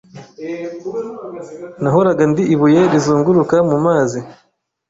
Nahoraga ndi ibuye rizunguruka mumazi